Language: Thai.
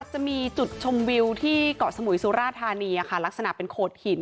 จะมีจุดชมวิวที่เกาะสมุยสุราธานีลักษณะเป็นโขดหิน